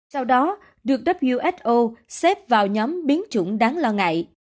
sau đó được who xếp vào nhóm biến chủng đáng lo ngại